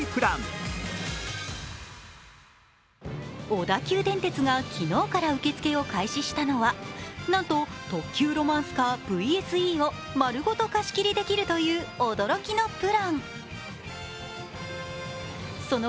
小田急電鉄が昨日から受付を開始したのはなんと特急ロマンスカー・ＶＳＥを丸ごと貸し切りできるという驚きのプラン。